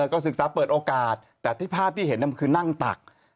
ก็ศึกษาเปิดโอกาสแต่ที่ภาพที่เห็นมันคือนั่งตัก